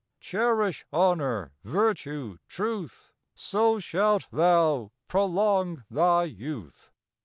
Cherish honour, virtue, truth, So shalt thou prolong thy youth.